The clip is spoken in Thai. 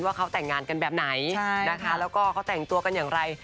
ว่าเขาแต่งงานกันแบบไหนนะคะแล้วก็เขาแต่งตัวกันอย่างไร